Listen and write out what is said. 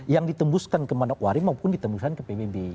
yang ditembuskan ke manokwari maupun ditembuskan ke pbb